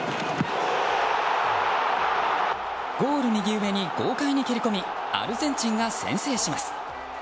ゴール右上に豪快に蹴り込みアルゼンチンが先制します。